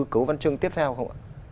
cấu văn chương tiếp theo không ạ